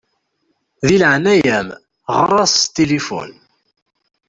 Di leɛnaya-m ɣeṛ-as s tilifun.